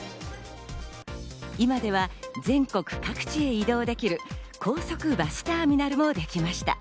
今では全国各地へ移動できる高速バスターミナルもできました。